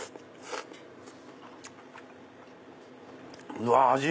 うわ味